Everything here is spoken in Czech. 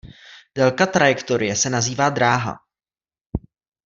Délka trajektorie se nazývá dráha.